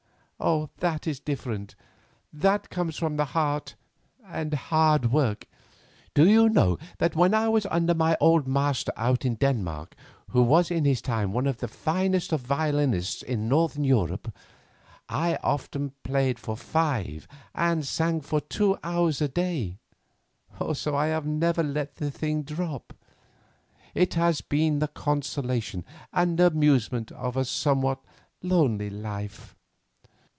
"That is different; that comes from the heart and hard work. Do you know that when I was under my old master out in Denmark, who in his time was one of the finest of violinists in the north of Europe, I often played for five and sang for two hours a day? Also, I have never let the thing drop; it has been the consolation and amusement of a somewhat lonely life.